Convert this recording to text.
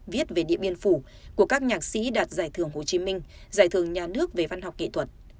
viết về điện biên phủ của các nhạc sĩ đạt giải thưởng hồ chí minh giải thưởng nhà nước về văn học kỹ thuật